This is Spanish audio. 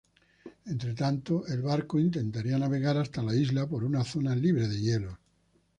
Entretanto, el barco intentaría navegar hasta la isla por una zona libre de hielos.